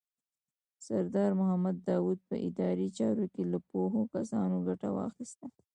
سردار محمد داود په اداري چارو کې له پوهو کسانو ګټه واخیستله.